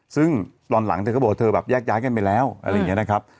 ซึ่งตอนหลังเธอก็บอกว่าเธอแบบแยกย้ายกันไปแล้วอะไรอย่างนี้นะครับ